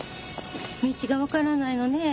道が分からないのねえ。